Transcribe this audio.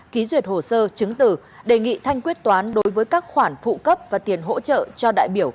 ký duyệt hồ sơ chứng tử đề nghị thanh quyết toán đối với các khoản phụ cấp và tiền hỗ trợ cho đại biểu